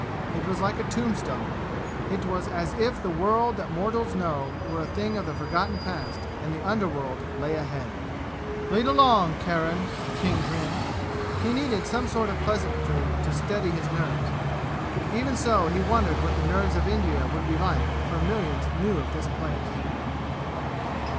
It was like a tombstone. It was as if the world that mortals know were a thing of the forgotten past and the underworld lay ahead. "Lead along, Charon!" King grinned. He needed some sort of pleasantry to steady his nerves. But even so he wondered what the nerves of India would be like if her millions knew of this place.